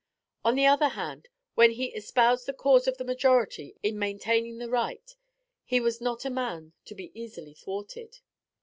On the other hand, when he espoused the cause of the majority in maintaining the right, he was not a man to be easily thwarted.